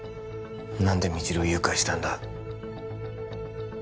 何で未知留を誘拐したんだ？